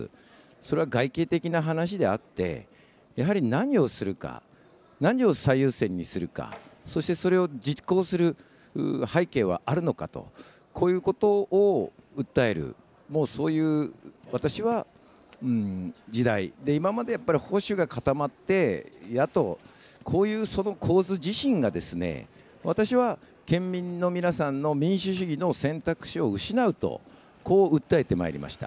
それは外形的な話であって、やはり何をするか、何を最優先にするか、そして、それを実行する背景はあるのかと、こういうことを訴える、もうそういう、私は、時代、今までやっぱり保守が固まって、野党、こういう構図自身が、私は、県民の皆さんの民主主義の選択肢を失うと、こう訴えてまいりました。